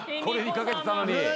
これにかけてたのに。